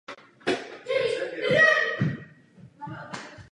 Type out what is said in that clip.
Po osvobození absolvoval dvouletou Státní grafickou školu v Praze.